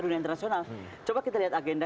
dunia internasional coba kita lihat agenda